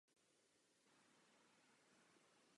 Poté ho prodala.